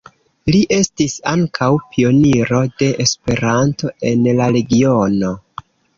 Li estis ankaŭ pioniro de Esperanto en la regiono.